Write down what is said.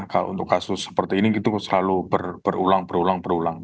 kalau untuk kasus seperti ini kita selalu berulang berulang berulang